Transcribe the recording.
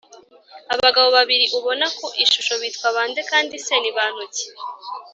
Abagabo babiri ubona ku ishusho bitwa bande kandi se ni bantu ki